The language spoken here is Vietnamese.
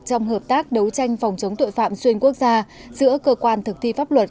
trong hợp tác đấu tranh phòng chống tội phạm xuyên quốc gia giữa cơ quan thực thi pháp luật